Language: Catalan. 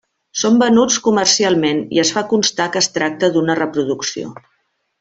Són venuts comercialment i es fa constar que es tracta d'una reproducció.